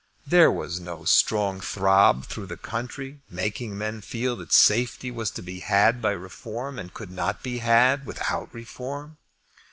There was no strong throb through the country, making men feel that safety was to be had by Reform, and could not be had without Reform.